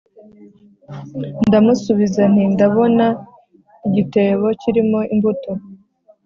ndamusubiza nti «ndabona igitebo kirimo imbuto